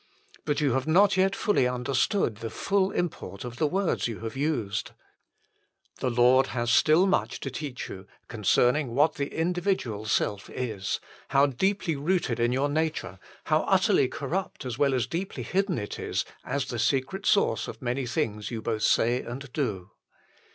But you have not yet fully understood the full import of the words you have used. The Lord has still much to teach you concerning what the individual self is, how deeply rooted in your nature, how utterly corrupt as well as deeply hidden it is, as the secret source of many things you both say and do.